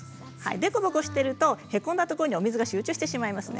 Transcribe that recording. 凸凹しているとへこんだところにお水が集中してしまいますね。